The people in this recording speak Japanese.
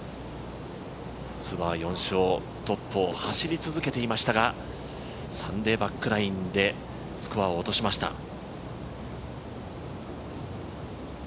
ツアー４勝、トップを走り続けていましたが、サンデーバックナインでスコアを落としました。